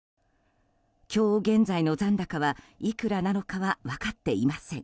今日現在の残高はいくらなのかは分かっていません。